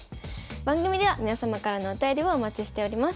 番組では皆様からのお便りをお待ちしております。